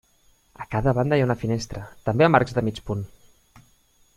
A cada banda hi ha una finestra, també amb arcs de mig punt.